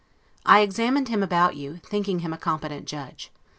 I examined him about you, thinking him a competent judge.